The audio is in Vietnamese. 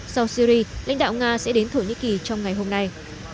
sau syri lãnh đạo nga sẽ đến thổ nhĩ kỳ trong ngày hôm nay